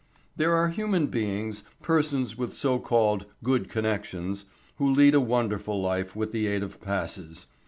There are human beings, persons with so called "good connections," who lead a wonderful life with the aid of passes.